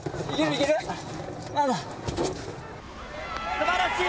すばらしい。